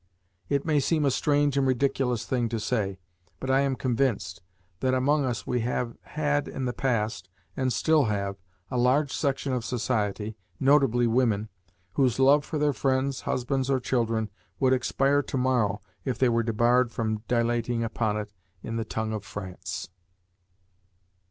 It may seem a strange and ridiculous thing to say, but I am convinced that among us we have had in the past, and still have, a large section of society notably women whose love for their friends, husbands, or children would expire to morrow if they were debarred from dilating upon it in the tongue of France!